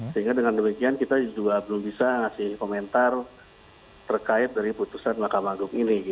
sehingga dengan demikian kita juga belum bisa ngasih komentar terkait dari putusan mahkamah agung ini